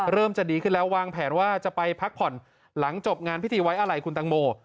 จะดีขึ้นแล้ววางแผนว่าจะไปพักผ่อนหลังจบงานพิธีไว้อะไรคุณตังโม